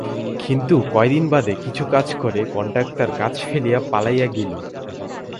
কিন্তু কয়দিন বাদে কিছু কাজ করে কন্ট্রাকটার কাজ ফেলাইয়া পালাইয়া গেইল।